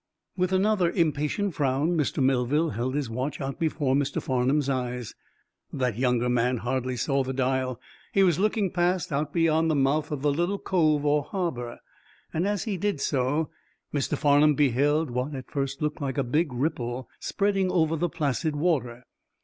With another impatient frown Mr. Melville held his watch out before Mr. Farnum's eyes. That younger man hardly saw the dial. He was looking past, out beyond the mouth of the little cove or harbor. As he did so, Mr. Farnum beheld what, at first, looked like a big ripple spreading over the placid water.